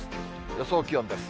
予想気温です。